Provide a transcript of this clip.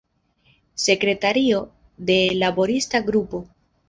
Sekretario de laborista grupo.